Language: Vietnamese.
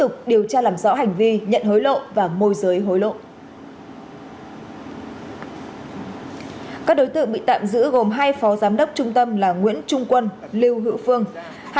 chú tại tỉnh tây ninh